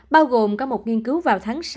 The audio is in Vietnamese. bao gồm có một nghiên cứu vào tháng sáu